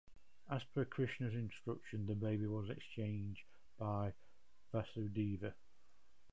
As per Krishna's instruction the baby was exchanged by Vasudeva.